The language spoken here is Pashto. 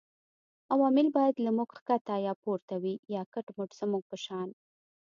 عوامل باید له موږ ښکته یا پورته وي یا کټ مټ زموږ په شان